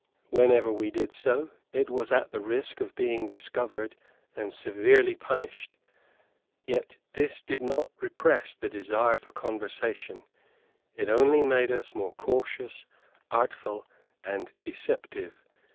Whenever we did so, it was at the risk of being discovered and severely punished. Yet this did not repress the desire for conversation; it only made us more cautious, artful, and deceptive.